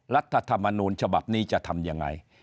รัฐธรรมนูญฉบับนี้จะทำยังไง